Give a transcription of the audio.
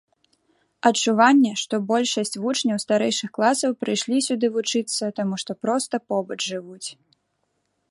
Адчуванне, што большасць вучняў старэйшых класаў прыйшлі сюды вучыцца, таму што проста побач жывуць.